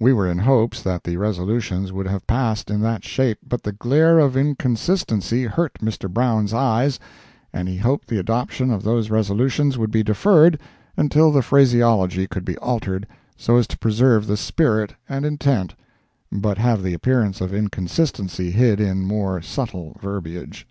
We were in hopes that the resolutions would have passed in that shape, but the glare of inconsistency hurt Mr. Brown's eyes, and he hoped the adoption of those resolutions would be deferred until the phraseology could be altered so as to preserve the spirit and intent, but have the appearance of inconsistency hid in more subtle "verbiage."